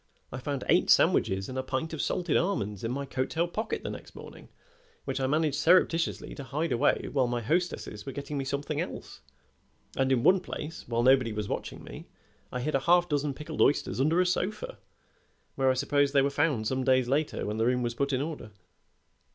I found eight sandwiches and a pint of salted almonds in my coat tail pocket the next morning, which I managed surreptitiously to hide away while my hostesses were getting me something else, and in one place, while nobody was watching me, I hid a half dozen pickled oysters under a sofa, where I suppose they were found some days later when the room was put in order."